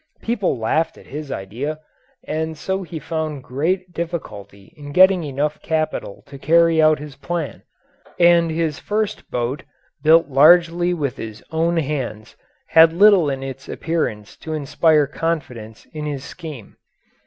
People laughed at his idea, and so he found great difficulty in getting enough capital to carry out his plan, and his first boat, built largely with his own hands, had little in its appearance to inspire confidence in his scheme.